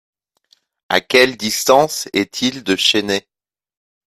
À quelle distance est-il de Chennai ?